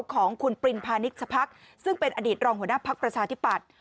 ของคุณปรินพาณิชพักซึ่งเป็นอดีตรองหัวหน้าภักดิ์ประชาธิปัตย์